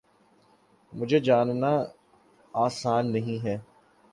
مجھے جاننا آسان نہیں ہے